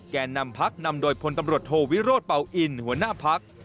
แก่นำพักนำโดยพลตำรวจโทวิโรธเป่าอินหัวหน้าพัก